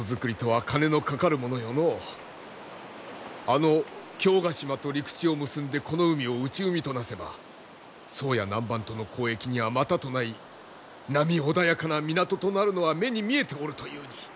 あの経ヶ島と陸地を結んでこの海を内海と成せば宋や南蛮との交易にはまたとない波穏やかな港となるのは目に見えておるというに！